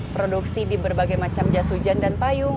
produksi di berbagai macam jas hujan dan payung